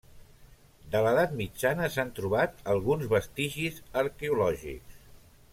De l'Edat Mitjana s'han trobat alguns vestigis arqueològics.